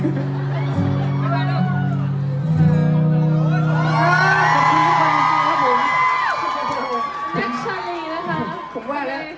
ขอแค่เธอมองในใจรักฉันเข้าไป